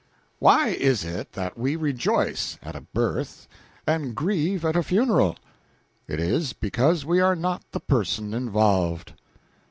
Why is it that we rejoice at a birth and grieve at a funeral? It is because we are not the person involved.